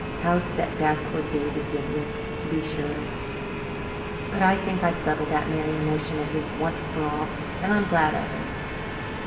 How setback poor David did look, to be sure! But I think I've settled that marrying notion of his once for all and I'm glad of it."